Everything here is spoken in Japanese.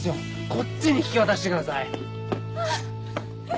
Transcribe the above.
こっちに引き渡してください。